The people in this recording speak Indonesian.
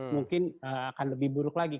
mungkin akan lebih buruk lagi